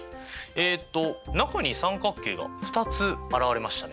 中に三角形が２つ現れましたね。